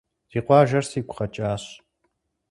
Ди къуажэр сигу къэкӀащ.